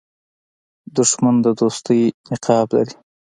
دښمن د دوستۍ نقاب لري